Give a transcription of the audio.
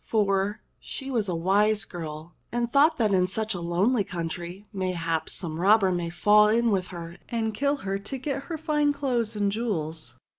For she was a wise girl, and thought that in such lonely coun try, mayhap, some robber might fall in with her and kill her to get her fine clothes and jewels.